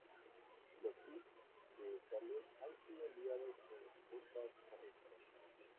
Los Kits de salud han sido enviados por rutas terrestres.